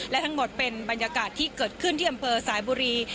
และทั้งหมดเป็นบรรยากาศที่เกิดขึ้นที่อำเภอสายบุรี